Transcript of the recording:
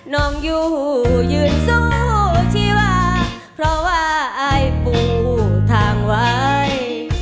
อยู่ยืนสู้ชีวาเพราะว่าอายปูทางไว้